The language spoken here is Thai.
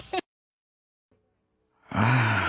อ่า